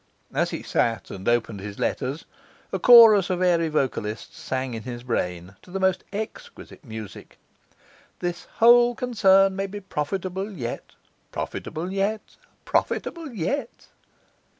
As he sat and opened his letters a chorus of airy vocalists sang in his brain, to most exquisite music, 'This whole concern may be profitable yet, profitable yet, profitable yet.